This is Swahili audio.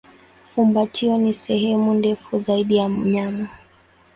Fumbatio ni sehemu ndefu zaidi ya mnyama.